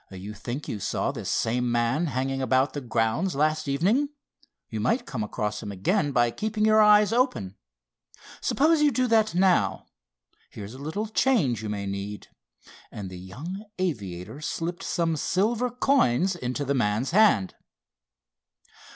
"You think you saw this same man hanging around the grounds last evening? You might come across him again by keeping your eyes open. Suppose you do that now? Here's a little change you may need," and the young aviator slipped some silver coins into the man's hand.